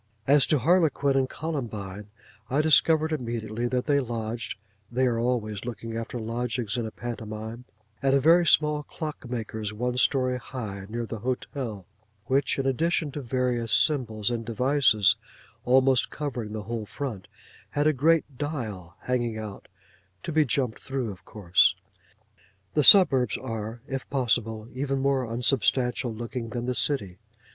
As to Harlequin and Columbine, I discovered immediately that they lodged (they are always looking after lodgings in a pantomime) at a very small clockmaker's one story high, near the hotel; which, in addition to various symbols and devices, almost covering the whole front, had a great dial hanging out—to be jumped through, of course. The suburbs are, if possible, even more unsubstantial looking than the city.